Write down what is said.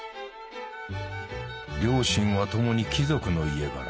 両親は共に貴族の家柄。